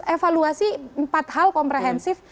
evaluasi empat hal komprehensif